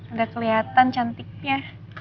ada keliatan cantiknya